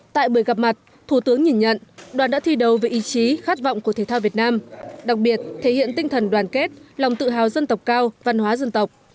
tại buổi gặp mặt thủ tướng nhìn nhận đoàn đã thi đầu về ý chí khát vọng của thể thao việt nam đặc biệt thể hiện tinh thần đoàn kết lòng tự hào dân tộc cao văn hóa dân tộc